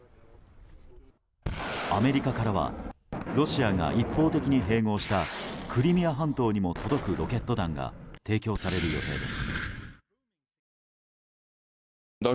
アメリカからはロシアが一方的に併合したクリミア半島にも届くロケット弾が提供される予定です。